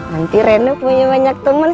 nanti reno punya banyak teman